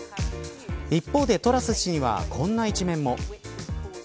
一方でトラス氏にはこんな一面も。